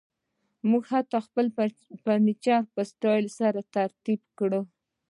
موږ حتی خپل فرنیچر په سټایل سره ترتیب کړ